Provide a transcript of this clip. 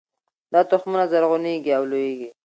دا تخمونه زرغونیږي او لوییږي